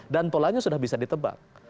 dan polanya sudah bisa ditebak